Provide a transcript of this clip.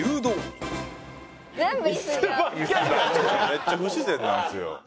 めっちゃ不自然なんですよ。